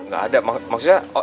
gak ada maksudnya